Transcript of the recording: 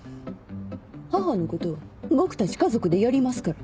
「母のことは僕たち家族でやりますから」